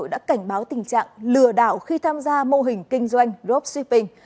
đã cảnh báo tình trạng lừa đảo khi tham gia mô hình kinh doanh dropshipping